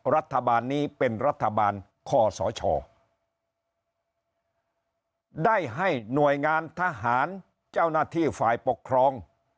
รัฐบาลนี้เป็นรัฐบาลคอสชได้ให้หน่วยงานทหารเจ้าหน้าที่ฝ่ายปกครอง